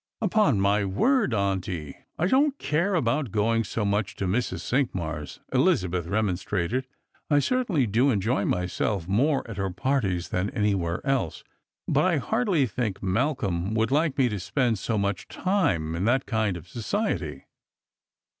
" Upon my word, auntie, I don't care about going so much to Mrs. Cinqmars'," Elizabeth remonstrated. "I certainly do enjoy myself more at her parties than anywhere else, but I hardly think Malcolm would like me to spend so much time in that kind of society."